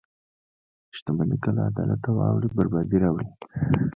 • شتمني که له عدالته واوړي، بربادي راوړي.